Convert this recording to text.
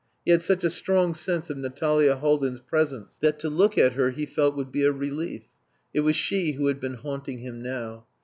He had such a strong sense of Natalia Haldin's presence that to look at her he felt would be a relief. It was she who had been haunting him now.